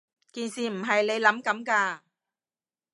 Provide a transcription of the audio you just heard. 件事唔係你諗噉㗎